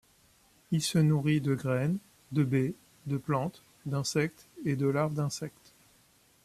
Il se nourrit de graines, de baies, de plantes, d'insectes et de larves d'insectes.